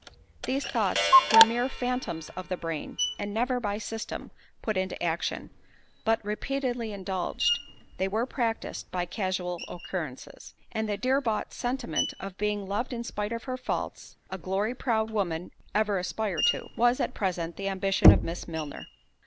These thoughts were mere phantoms of the brain, and never, by system, put into action; but, repeatedly indulged, they were practised by casual occurrences; and the dear bought experiment of being loved in spite of her faults, (a glory proud women ever aspire to) was, at present, the ambition of Miss Milner.